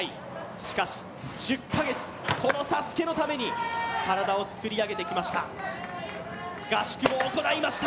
しかし、１０か月、このＳＡＳＵＫＥのために体を作り上げてきました。